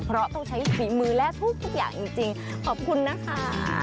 เพราะต้องใช้ฝีมือและทุกอย่างจริงขอบคุณนะคะ